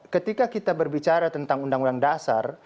ketika kita berbicara tentang uu dasar